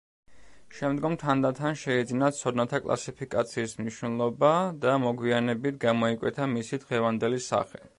შემდგომ თანდათან შეიძინა ცოდნათა კლასიფიკაციის მნიშვნელობა და მოგვიანებით გამოიკვეთა მისი დღევანდელი სახე.